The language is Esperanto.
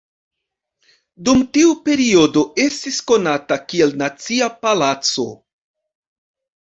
Dum tiu periodo estis konata kiel Nacia Palaco.